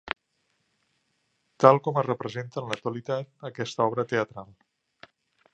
Tal com es representa en l’actualitat aquesta obra teatral.